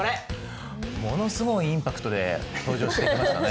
ものすごいインパクトで登場してきましたね。